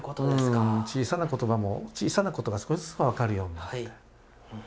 うん小さな言葉も小さなことが少しずつ分かるようになって。